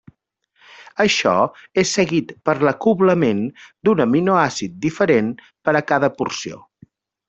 Això és seguit per l'acoblament d'un aminoàcid diferent per a cada porció.